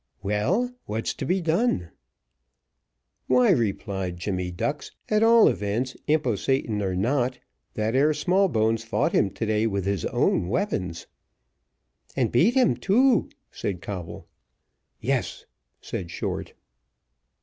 "Well, what's to be done?" "Why," replied Jemmy Ducks, "at all events, imp o' Satan or not, that ere Smallbones fought him to day with his own weapons." "And beat him too," said Coble. "Yes," said Short.